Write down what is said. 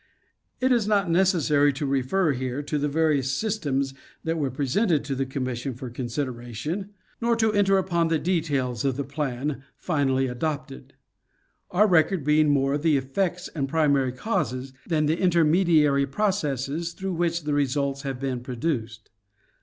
It is not necessary to refer here to the various systems that were presented to the Commission for consideration ; nor to enter upon the details of the plan finally adopted ; our record being more the eftects and primary causes, than the intermediary processes through which the results have been produced.